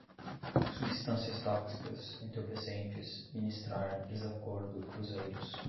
substâncias tóxicas entorpecentes, ministrar, desacordo, cruzeiros